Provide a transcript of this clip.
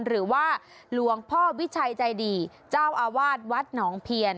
หรือว่าหลวงพ่อวิชัยใจดีเจ้าอาวาสวัดหนองเพียน